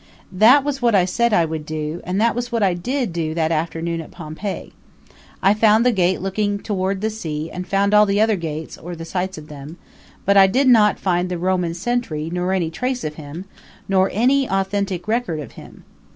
That was what I said I would do and that was what I did do that afternoon at Pompeii. I found the gate looking toward the sea and I found all the other gates, or the sites of them; but I did not find the Roman sentry nor any trace of him, nor any authentic record of him.